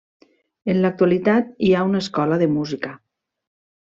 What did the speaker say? En l'actualitat hi ha una escola de música.